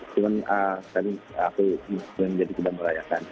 cuman aku belum jadi ke dalam rakyat kan